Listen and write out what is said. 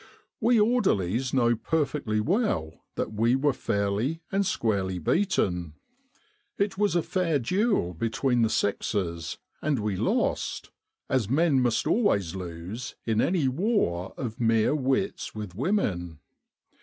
We orderlies know perfectly well that we were Military General Hospitals in Egypt fairly and squarely beaten. It was a fair duel between the sexes and we lost, as men must always lose in any war of mere wits with women.